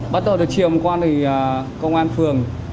bắt đầu được trìm qua công an phường